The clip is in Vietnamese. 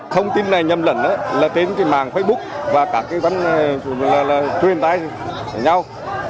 thông tin này nhầm lẫn là trên mạng facebook và các truyền tài nhau